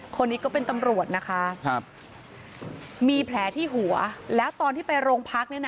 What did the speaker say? คนนี้ก็เป็นตำรวจนะคะมีแผลที่หัวแล้วตอนที่ไปโรงพักเนี่ยนะ